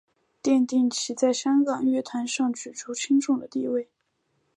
奠定其在香港乐坛上举足轻重的地位。